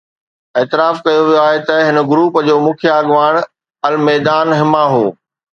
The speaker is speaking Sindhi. اعتراف ڪيو ويو آهي ته هن گروپ جو مکيه اڳواڻ الميدان حما هو